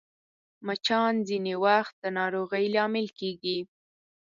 مچان ځینې وخت د ناروغۍ لامل کېږي